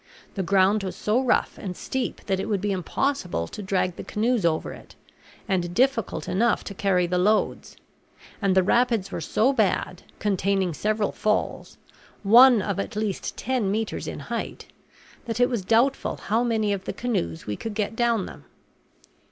The ground was so rough and steep that it would be impossible to drag the canoes over it and difficult enough to carry the loads; and the rapids were so bad, containing several falls, one of at least ten metres in height, that it was doubtful how many of the canoes we could get down them.